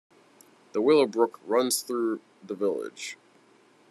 The Willow Brook runs through the village.